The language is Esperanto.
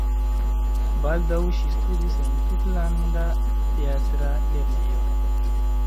Baldaŭ ŝi studis en Tutlanda Teatra Lernejo.